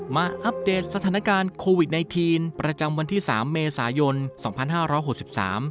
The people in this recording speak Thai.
อัปเดตสถานการณ์โควิดไนทีนประจำวันที่สามเมษายนสองพันห้าร้อยหกสิบสาม